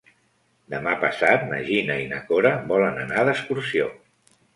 Demà passat na Gina i na Cora volen anar d'excursió.